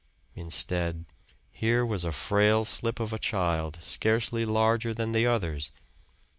Instead, here was a frail slip of a child scarcely larger than the others.